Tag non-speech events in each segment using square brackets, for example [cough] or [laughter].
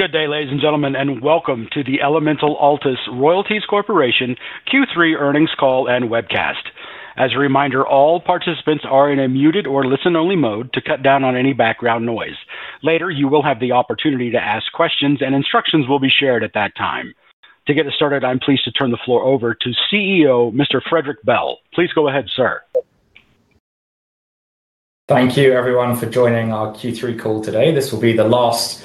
Good day, ladies and gentlemen, and welcome to the Elemental Altus Royalties Corporation Q3 earnings call and webcast. As a reminder, all participants are in a muted or listen-only mode to cut down on any background noise. Later, you will have the opportunity to ask questions, and instructions will be shared at that time. To get us started, I'm pleased to turn the floor over to CEO Mr. Frederick Bell. Please go ahead, sir. Thank you, everyone, for joining our Q3 call today. This will be the last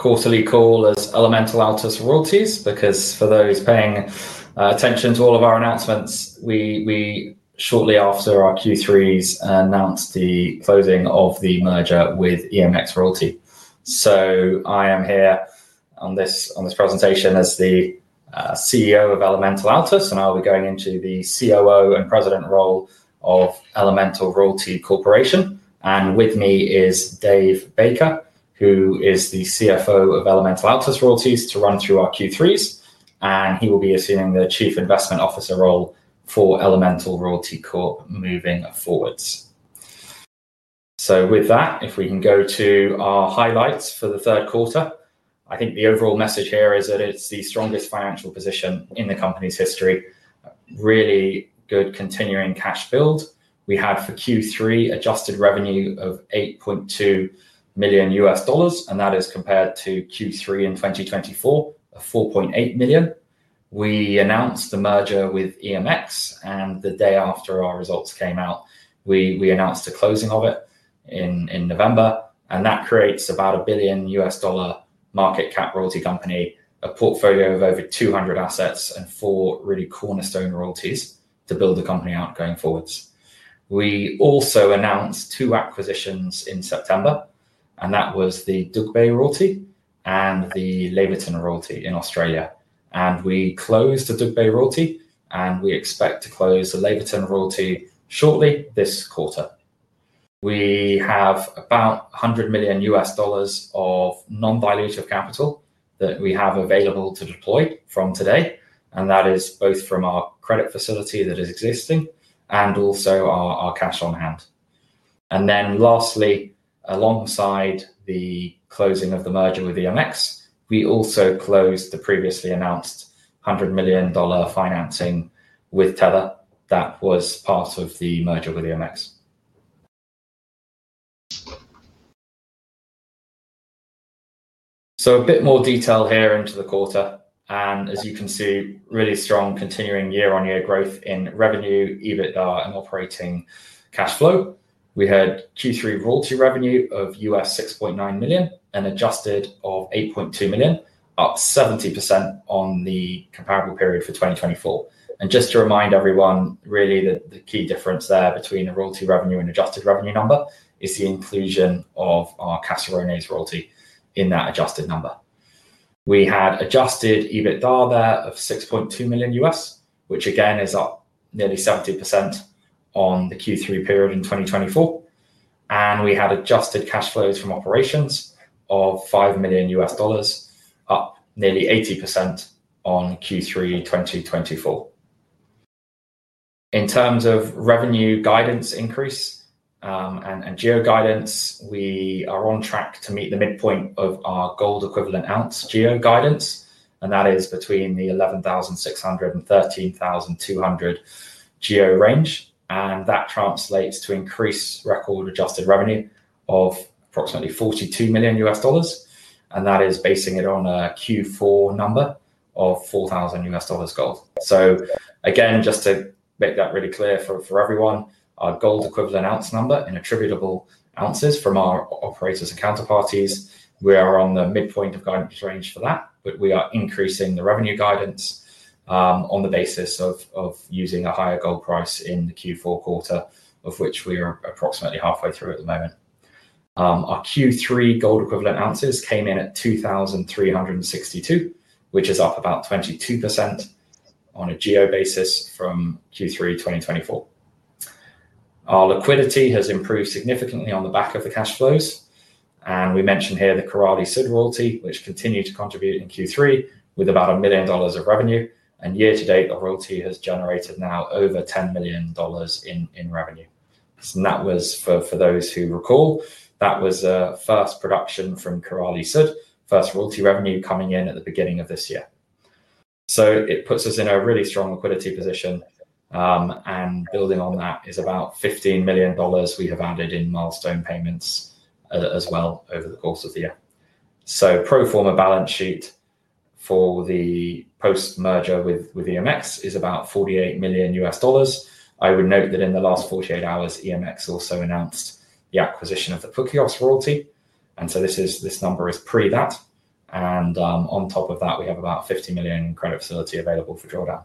quarterly call as Elemental Altus Royalties, because for those paying attention to all of our announcements, we shortly after our Q3s announced the closing of the merger with EMX Royalty. I am here on this presentation as the CEO of Elemental Altus, and I'll be going into the COO and President role of Elemental Royalty Corporation. With me is Dave Baker, who is the CFO of Elemental Altus Royalties to run through our Q3s, and he will be assuming the Chief Investment Officer role for Elemental Royalty Corp moving forwards. With that, if we can go to our highlights for the third quarter, I think the overall message here is that it's the strongest financial position in the company's history, really good continuing cash build. We had for Q3 adjusted revenue of $8.2 million, and that is compared to Q3 in 2024 of $4.8 million. We announced the merger with EMX, and the day after our results came out, we announced the closing of it in November, and that creates about a $1 billion market cap royalty company, a portfolio of over 200 assets, and four really cornerstone royalties to build the company out going forwards. We also announced two acquisitions in September, and that was the Dugbe Royalty and the Laverton Royalty in Australia. We closed the Dugbe Royalty, and we expect to close the Laverton Royalty shortly this quarter. We have about $100 million of non-dilutive capital that we have available to deploy from today, and that is both from our credit facility that is existing and also our cash on hand. Lastly, alongside the closing of the merger with EMX, we also closed the previously announced $100 million financing with Tether that was part of the merger with EMX. A bit more detail here into the quarter, and as you can see, really strong continuing year-on-year growth in revenue, EBITDA, and operating cash flow. We had Q3 royalty revenue of $6.9 million and adjusted of $8.2 million, up 70% on the comparable period for 2024. Just to remind everyone, really, that the key difference there between the royalty revenue and adjusted revenue number is the inclusion of our Caserones royalty in that adjusted number. We had adjusted EBITDA there of $6.2 million, which again is up nearly 70% on the Q3 period in 2024. We had adjusted cash flows from operations of $5 million, up nearly 80% on Q3 2024. In terms of revenue guidance increase and GEO guidance, we are on track to meet the midpoint of our gold equivalent ounce GEO guidance, and that is between the 11,600 and 13,200 GEO range, and that translates to increased record adjusted revenue of approximately $42 million, and that is basing it on a Q4 number of $4,000 gold. Again, just to make that really clear for everyone, our gold equivalent ounce number in attributable ounces from our operators and counterparties, we are on the midpoint of guidance range for that, but we are increasing the revenue guidance on the basis of using a higher gold price in the Q4 quarter, of which we are approximately halfway through at the moment. Our Q3 gold equivalent ounces came in at 2,362, which is up about 22% on a GEO basis from Q3 2024. Our liquidity has improved significantly on the back of the cash flows, and we mentioned here the Korali- Sud Royalty, which continued to contribute in Q3 with about $1 million of revenue, and year to date, the royalty has generated now over $10 million in revenue. That was, for those who recall, that was first production from Korali-Sud, first royalty revenue coming in at the beginning of this year. It puts us in a really strong liquidity position, and building on that is about $15 million we have added in milestone payments as well over the course of the year. Pro forma balance sheet for the post-merger with EMX is about $48 million U.S. dollars. I would note that in the last 48 hours, EMX also announced the acquisition of the Puquios Royalty, and so this number is pre that, and on top of that, we have about $50 million credit facility available for drawdown.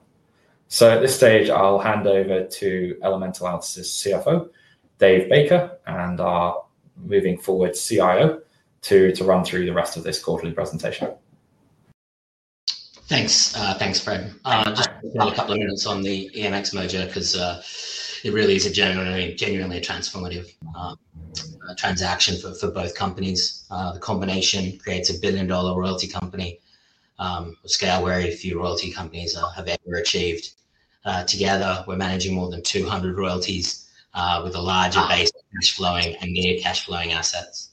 At this stage, I'll hand over to Elemental Altus' CFO, Dave Baker, and our moving forward CIO to run through the rest of this quarterly presentation. Thanks, Fred. Just a couple of minutes on the EMX merger, because it really is a genuinely transformative transaction for both companies. The combination creates a billion-dollar royalty company of scale where very few royalty companies have ever achieved. Together, we're managing more than 200 royalties with a larger base of cash flowing and near cash flowing assets.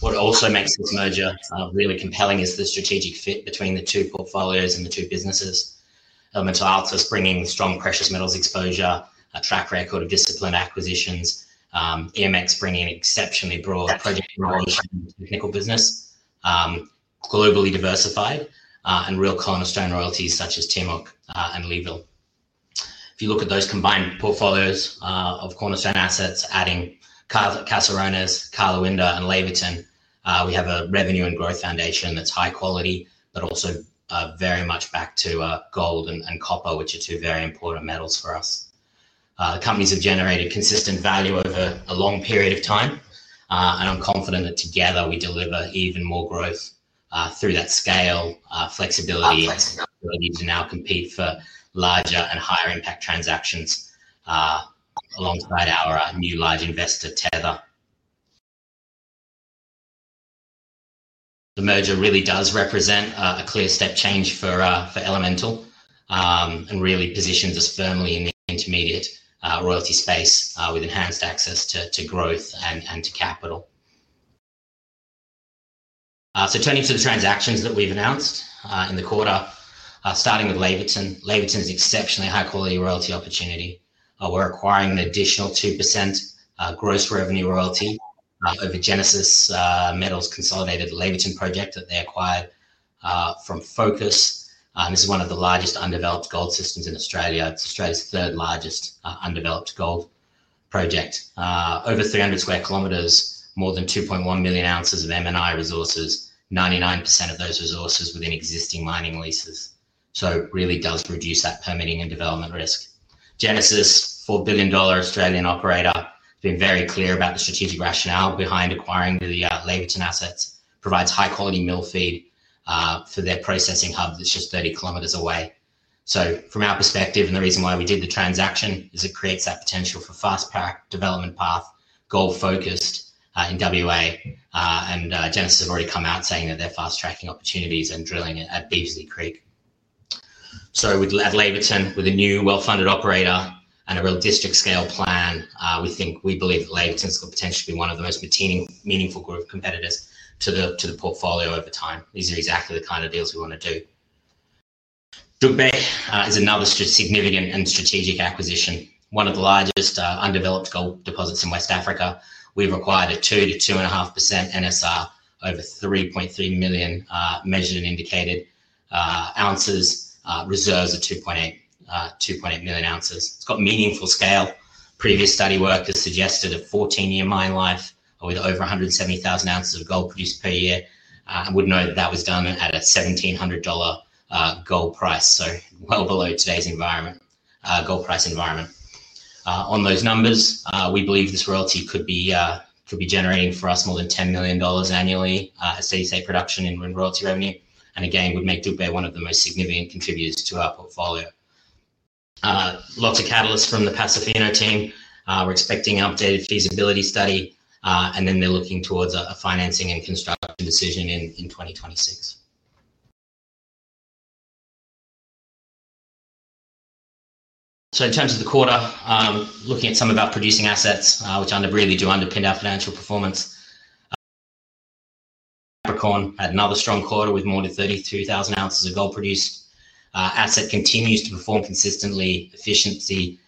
What also makes this merger really compelling is the strategic fit between the two portfolios and the two businesses. Elemental Altus bringing strong precious metals exposure, a track record of disciplined acquisitions, EMX bringing exceptionally broad project knowledge and technical business, globally diversified, and real cornerstone royalties such as Timok and Laverton. If you look at those combined portfolios of cornerstone assets, adding Caserones, Karlawinda, and Laverton, we have a revenue and growth foundation that's high quality, but also very much back to gold and copper, which are two very important metals for us. The companies have generated consistent value over a long period of time, and I'm confident that together we deliver even more growth through that scale, flexibility, ability to now compete for larger and higher impact transactions alongside our new large investor, Tether. The merger really does represent a clear step change for Elemental and really positions us firmly in the intermediate royalty space with enhanced access to growth and to capital. Turning to the transactions that we've announced in the quarter, starting with Laverton, Laverton's an exceptionally high quality royalty opportunity. We're acquiring an additional 2% gross revenue royalty over Genesis Minerals' consolidated Laverton project that they acquired from Focus Minerals. This is one of the largest undeveloped gold systems in Australia. It's Australia's third largest undeveloped gold project. Over 300 sq km, more than 2.1 million ounces of M&I resources, 99% of those resources within existing mining leases. It really does reduce that permitting and development risk. Genesis, 4 billion Australian dollars operator, has been very clear about the strategic rationale behind acquiring the Laverton assets, provides high quality mill feed for their processing hub that's just 30 km away. From our perspective, and the reason why we did the transaction is it creates that potential for fast track development path, gold focused in WA, and Genesis have already come out saying that they're fast tracking opportunities and drilling at Beasley Creek. With Laverton, with a new well-funded operator and a real district scale plan, we think we believe that Laverton's potentially be one of the most meaningful group competitors to the portfolio over time. These are exactly the kind of deals we want to do. Dugbe is another significant and strategic acquisition, one of the largest undeveloped gold deposits in West Africa. We've acquired a 2%-2.5% NSR over 3.3 million measured and indicated ounces, reserves of 2.8 million ounces. It's got meaningful scale. Previous study work has suggested a 14-year mine life with over 170,000 ounces of gold produced per year. I would note that that was done at a $1,700 gold price, so well below today's gold price environment. On those numbers, we believe this royalty could be generating for us more than $10 million annually as CSA production in royalty revenue, and again, would make Dugbe one of the most significant contributors to our portfolio. Lots of catalysts from the Pasofino team. We're expecting an updated feasibility study, and then they're looking towards a financing and construction decision in 2026. In terms of the quarter, looking at some of our producing assets, which really do underpin our financial performance, Capricorn had another strong quarter with more than 32,000 ounces of gold produced. Asset continues to perform consistently, efficiently,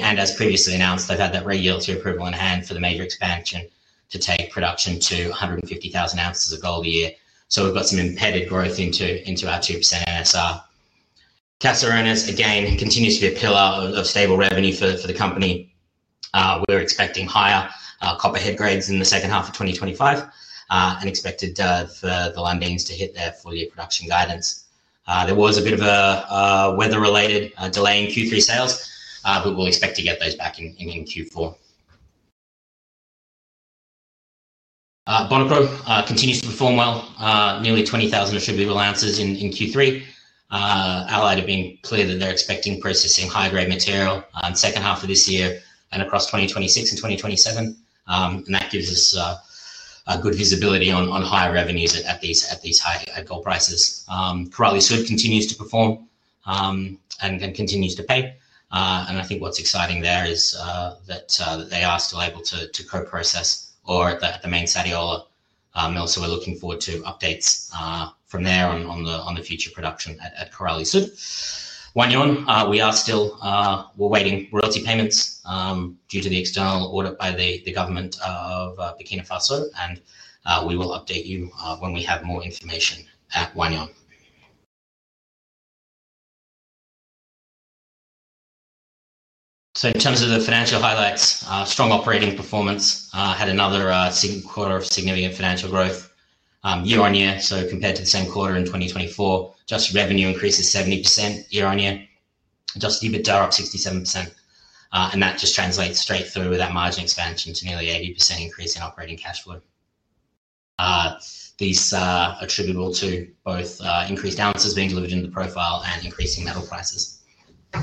and as previously announced, they've had that regulatory approval in hand for the major expansion to take production to 150,000 ounces of gold a year. We've got some impeded growth into our 2% NSR. Caserones, again, continues to be a pillar of stable revenue for the company. We're expecting higher copper head grades in the second half of 2025 and expected for the Londonians to hit their full year production guidance. There was a bit of a weather-related delay in Q3 sales, but we'll expect to get those back in Q4. Bonikro continues to perform well, nearly 20,000 attributable ounces in Q3. Allied have been clear that they're expecting processing high-grade material in the second half of this year and across 2026 and 2027, and that gives us good visibility on higher revenues at these high gold prices. Korali-Sud continues to perform and continues to pay. I think what's exciting there is that they are still able to co-process or at the main Sadiola mill. We're looking forward to updates from there on the future production at Korali-Sud. Nyanga, we are still, we're waiting royalty payments due to the external audit by the government of Burkina Faso, and we will update you when we have more information at Nyanga. In terms of the financial highlights, strong operating performance had another quarter of significant financial growth year-on-year. Compared to the same quarter in 2024, just revenue increased to 70% year-on-year, just EBITDA up 67%. That just translates straight through with that margin expansion to nearly 80% increase in operating cash flow. These are attributable to both increased ounces being delivered in the profile and increasing metal prices. In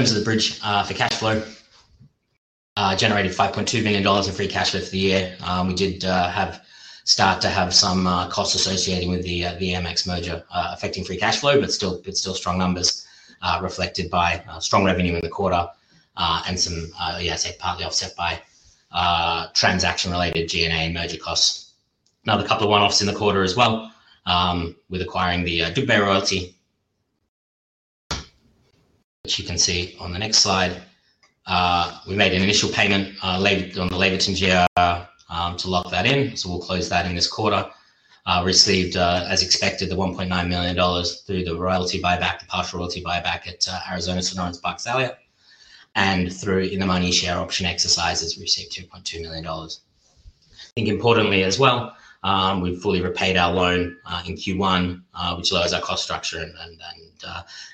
terms of the bridge for cash flow, generated $5.2 million in free cash flow for the year. We did start to have some costs associated with the EMX merger affecting free cash flow, but still strong numbers reflected by strong revenue in the quarter and some asset partly offset by transaction-related G&A and merger costs. Another couple of one-offs in the quarter as well with acquiring the Dugbe Royalty, which you can see on the next slide. We made an initial payment on the Laverton GEO to lock that in, so we'll close that in this quarter. Received, as expected, the $1.9 million through the royalty buyback, the partial royalty buyback at Arizona Sonoran, and through in-the-money share option exercises, we received $2.2 million. I think importantly as well, we've fully repaid our loan in Q1, which lowers our cost structure and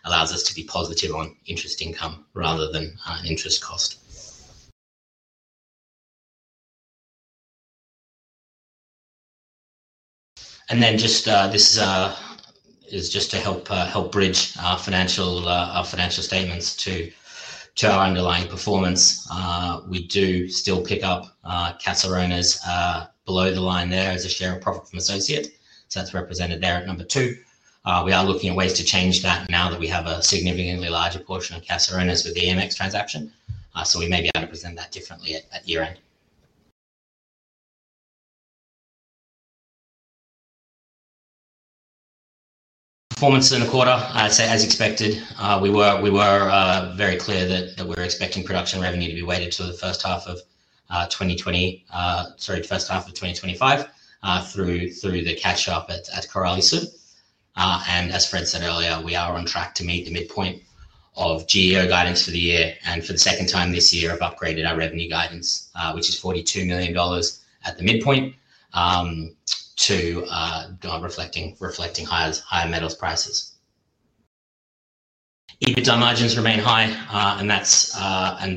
allows us to be positive on interest income rather than interest cost. This is just to help bridge financial statements to our underlying performance. We do still pick up Caserones below the line there as a share of profit from associate. That is represented there at number two. We are looking at ways to change that now that we have a significantly larger portion of Caserones with the EMX transaction. We may be able to present that differently at year end. Performance in the quarter, I would say as expected. We were very clear that we are expecting production revenue to be weighted to the first half of 2025 through the cash shop at Korali-Sud. As Fred said earlier, we are on track to meet the midpoint of GEO guidance for the year and for the second time this year have upgraded our revenue guidance, which is $42 million at the midpoint, reflecting higher metals prices. EBITDA margins remain high, and that is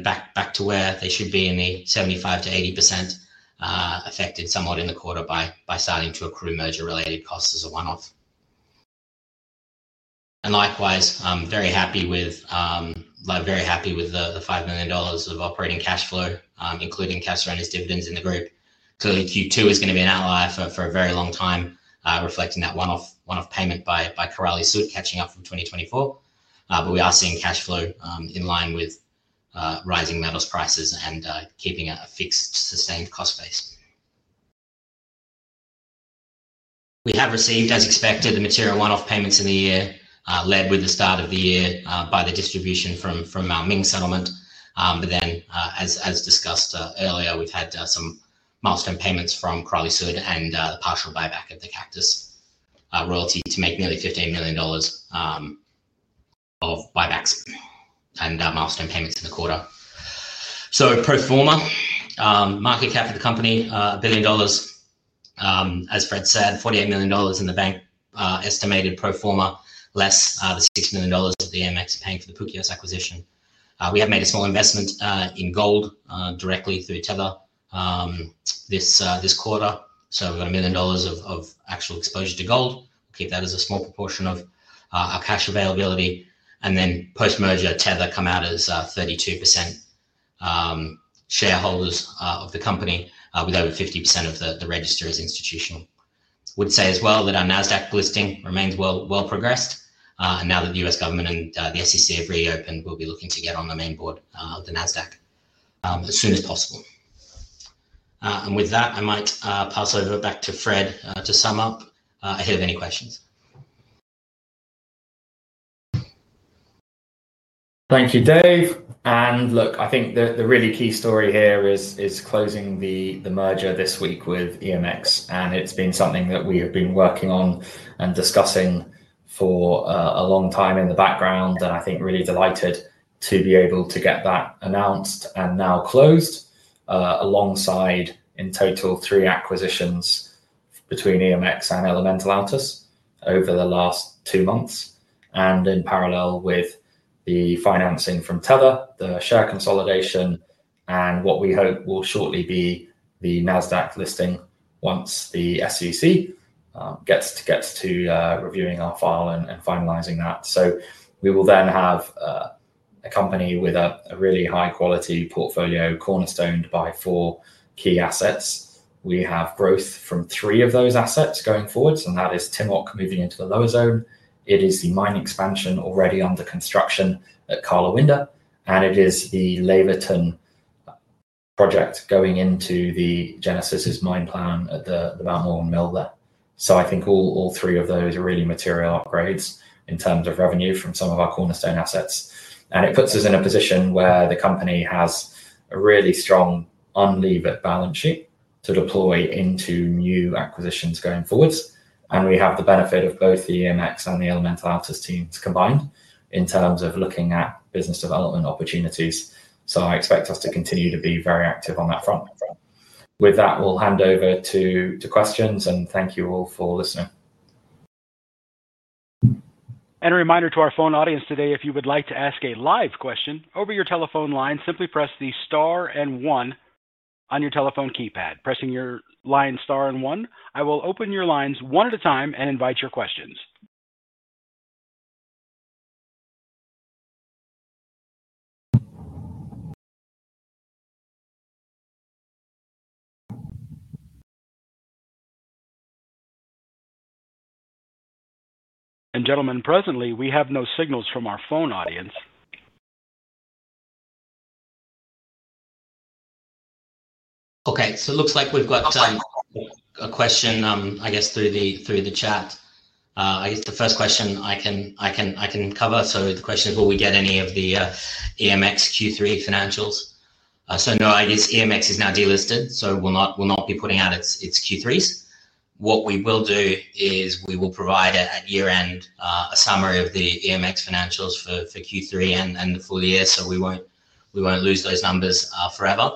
back to where they should be in the 75%-80% range, affected somewhat in the quarter by starting to accrue merger-related costs as a one-off. Likewise, very happy with the $5 million of operating cash flow, including Caserones dividends in the group. Clearly, Q2 is going to be an outlier for a very long time, reflecting that one-off payment by Korali-Sud catching up from 2024. We are seeing cash flow in line with rising metals prices and keeping a fixed sustained cost base. We have received, as expected, the material one-off payments in the year, led with the start of the year by the distribution from Ming Settlement. As discussed earlier, we have had some milestone payments from Korali-Sud and the partial buyback of the Cactus Royalty to make nearly $15 million of buybacks and milestone payments in the quarter. Pro forma, market cap of the company, $1 billion. As Fred said, $48 million in the bank estimated pro forma, less the $6 million of the EMX paying for the Puquios acquisition. We have made a small investment in gold directly through Tether this quarter. We have got $1 million of actual exposure to gold. We will keep that as a small proportion of our cash availability. Post-merger, Tether come out as 32% shareholders of the company with over 50% of the register as institutional. would say as well that our Nasdaq listing remains well progressed. Now that the U.S. government and the SEC have reopened, we'll be looking to get on the main board of the Nasdaq as soon as possible. With that, I might pass over back to Fred to sum up ahead of any questions. Thank you, Dave. I think the really key story here is closing the merger this week with EMX. It has been something that we have been working on and discussing for a long time in the background. I think really delighted to be able to get that announced and now closed alongside in total three acquisitions between EMX and Elemental Altus over the last two months. In parallel with the financing from Tether, the share consolidation, and what we hope will shortly be the Nasdaq listing once the SEC gets to reviewing our file and finalizing that. We will then have a company with a really high quality portfolio cornerstoned by four key assets. We have growth from three of those assets going forward. That is Timok moving into the lower zone. It is the mine expansion already under construction at Karlawinda. It is the Laverton project going into Genesis' mine plan at the Mount Morgan Mine there. I think all three of those are really material upgrades in terms of revenue from some of our cornerstone assets. It puts us in a position where the company has a really strong unlevered balance sheet to deploy into new acquisitions going forwards. We have the benefit of both the EMX and the Elemental Altus teams combined in terms of looking at business development opportunities. I expect us to continue to be very active on that front. With that, we'll hand over to questions. Thank you all for listening. A reminder to our phone audience today, if you would like to ask a live question over your telephone line, simply press the star and one on your telephone keypad. Pressing your line, star and one, I will open your lines one at a time and invite your questions. Gentlemen, presently, we have no signals from our phone audience. Okay. It looks like we've got a question, I guess, through the chat. I guess the first question I can cover. The question is, will we get any of the EMX Q3 financials? No, I guess EMX is now delisted, so it will not be putting out its Q3s. What we will do is provide at year end a summary of the EMX financials for Q3 and the full year, so we will not lose those numbers forever.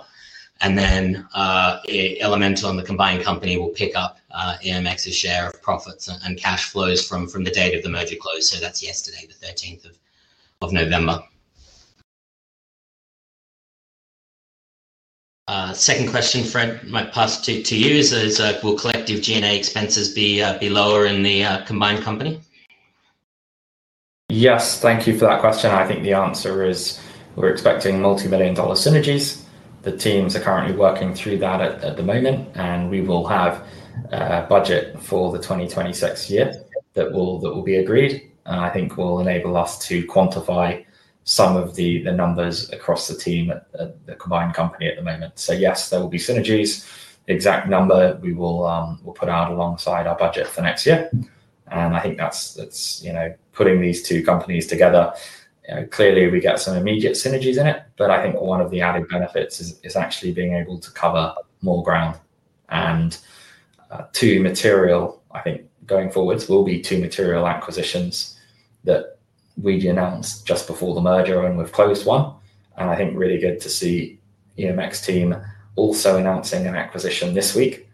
Then Elemental and the combined company will pick up EMX's share of profits and cash flows from the date of the merger close. That is yesterday, the 13th of November. Second question, Fred, might pass to you. Will collective G&A expenses be lower in the combined company? Yes, thank you for that question. I think the answer is we're expecting multi-million dollar synergies. The teams are currently working through that at the moment, and we will have a budget for the 2026 year that will be agreed. I think it will enable us to quantify some of the numbers across the team, the combined company at the moment. Yes, there will be synergies. The exact number we will put out alongside our budget for next year. I think that's putting these two companies together. Clearly, we get some immediate synergies in it. I think one of the added benefits is actually being able to cover more ground. Two material, I think going forwards, will be two material acquisitions that we announced just before the merger when we've closed one. I think really good to see EMX team also announcing an acquisition this week.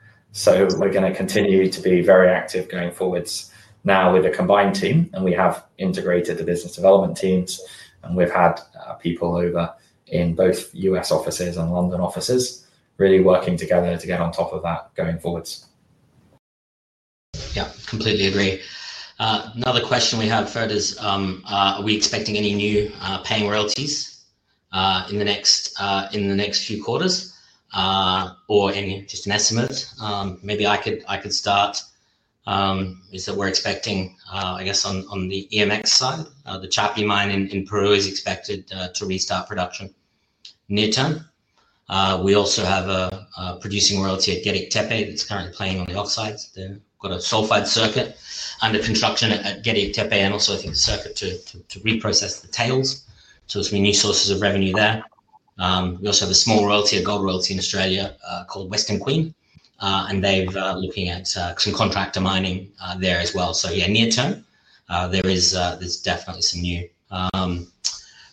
We're going to continue to be very active going forwards now with the combined team. We have integrated the business development teams, and we've had people over in both U.S. offices and London offices really working together to get on top of that going forwards. Yep, completely agree. Another question we have, Fred, is are we expecting any new paying royalties in the next few quarters or just an estimate? Maybe I could start. Is that we're expecting, I guess, on the EMX side, the Chapi mine in Peru is expected to restart production near term. We also have a producing royalty at Gediktepe that's currently paying on the offsites. They've got a sulfide circuit under construction at Gediktepe and also a circuit to reprocess the tails. There have been new sources of revenue there. We also have a small royalty, a gold royalty in Australia called Western Queen. They're looking at some contractor mining there as well. Yeah, near term, there's definitely some new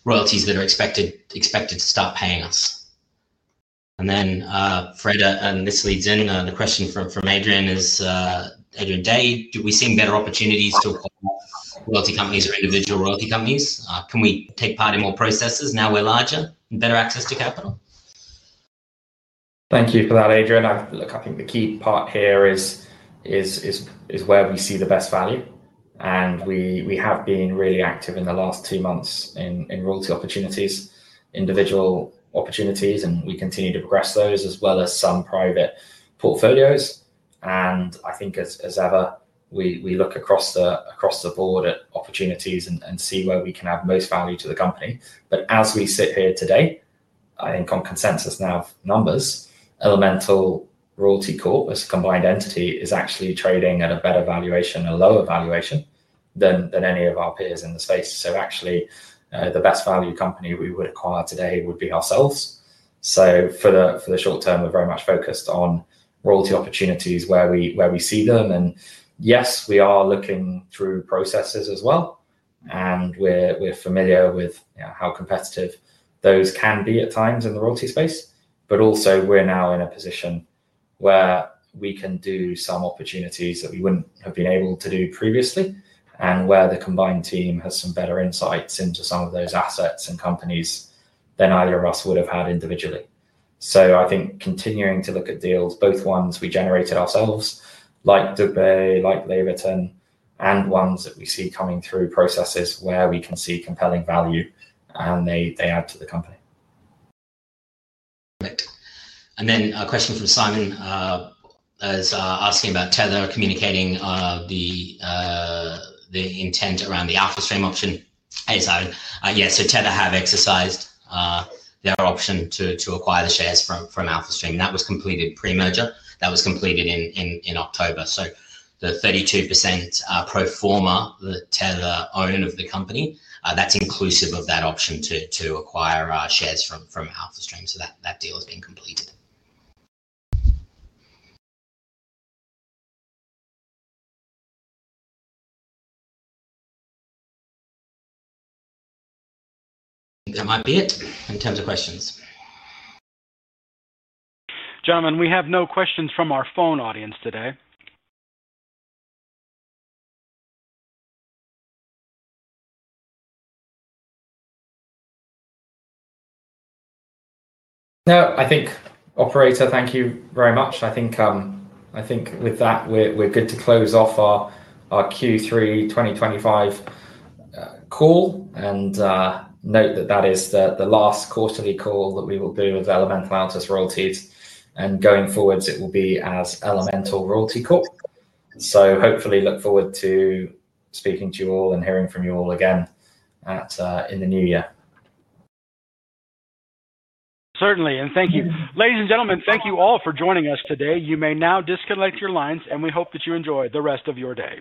royalties that are expected to start paying us. Fred, and this leads in the question from Adrian, is [audio distortion] Day, do we see better opportunities to acquire royalty companies or individual royalty companies? Can we take part in more processes now we're larger and better access to capital? Thank you for that, Adrian. Look, I think the key part here is where we see the best value. We have been really active in the last two months in royalty opportunities, individual opportunities, and we continue to progress those as well as some private portfolios. I think as ever, we look across the board at opportunities and see where we can have most value to the company. As we sit here today, I think on consensus now of numbers, Elemental Royalty Corp as a combined entity is actually trading at a better valuation, a lower valuation than any of our peers in the space. Actually, the best value company we would acquire today would be ourselves. For the short term, we're very much focused on royalty opportunities where we see them. Yes, we are looking through processes as well. We are familiar with how competitive those can be at times in the royalty space. Also, we are now in a position where we can do some opportunities that we would not have been able to do previously and where the combined team has some better insights into some of those assets and companies than either of us would have had individually. I think continuing to look at deals, both ones we generated ourselves, like Dugbe, like Laverton, and ones that we see coming through processes where we can see compelling value and they add to the company. A question from Simon is asking about Tether communicating the intent around the AlphaStream option. Hey, Simon. Yeah, Tether have exercised their option to acquire the shares from AlphaStream. That was completed pre-merger. That was completed in October. The 32% pro forma that Tether own of the company, that's inclusive of that option to acquire shares from AlphaStream. That deal has been completed. That might be it in terms of questions. Gentlemen, we have no questions from our phone audience today. No, I think, operator, thank you very much. I think with that, we're good to close off our Q3 2025 call. And note that that is the last quarterly call that we will do with Elemental Altus Royalties. And going forwards, it will be as Elemental Royalty Corp. So hopefully look forward to speaking to you all and hearing from you all again in the new year. Certainly. And thank you. Ladies and gentlemen, thank you all for joining us today. You may now disconnect your lines, and we hope that you enjoy the rest of your day.